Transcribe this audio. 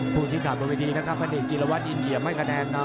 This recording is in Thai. ผู้ชิดข่าวตัววิธีนะครับภาษีจิลวัฒน์อินเยียมไม่คะแนน